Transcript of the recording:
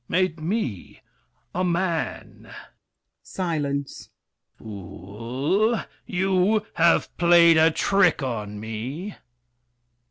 Made me, A man— [Silence. Fool, you have played a trick on me!